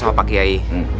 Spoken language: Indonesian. sama pak kiai